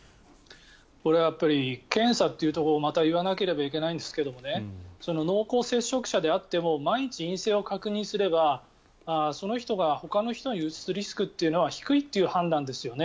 これは検査というところをまた言わなければいけないんですが濃厚接触者であっても毎日陰性を確認すればその人がほかの人にうつすリスクは低いという判断ですよね。